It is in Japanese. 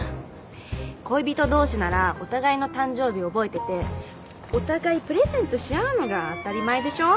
恋人同士ならお互いの誕生日覚えててお互いプレゼントし合うのが当たり前でしょ？